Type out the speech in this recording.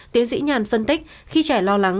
tiến sĩ nhàn phân tích khi trẻ lo lắng